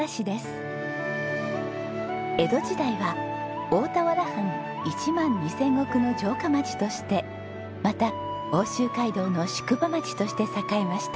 江戸時代は大田原藩一万二千石の城下町としてまた奥州街道の宿場町として栄えました。